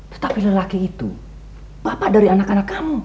tetapi lelaki itu bapak dari anak anak kamu